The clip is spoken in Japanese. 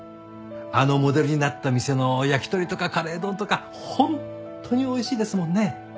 あのモデルになった店の焼き鳥とかカレー丼とか本当においしいですもんね。